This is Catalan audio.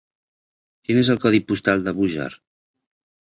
Quin és el codi postal de Búger?